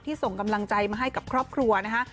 ส่งกำลังใจมาให้กับครอบครัวนะคะ